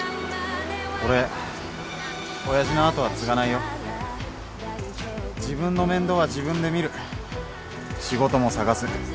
俺親父の後は継がないよ自分の面倒は自分で見る仕事も探す